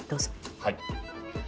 はい。